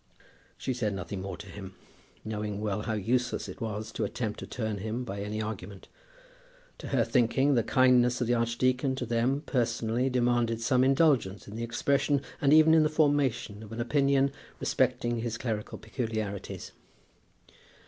She said nothing more to him, knowing well how useless it was to attempt to turn him by any argument. To her thinking the kindness of the archdeacon to them personally demanded some indulgence in the expression, and even in the formation, of an opinion, respecting his clerical peculiarities.